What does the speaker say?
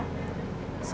maka aku mau dateng ke sana